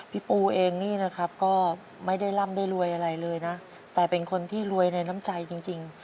ปูเองนี่นะครับก็ไม่ได้ร่ำได้รวยอะไรเลยนะแต่เป็นคนที่รวยในน้ำใจจริง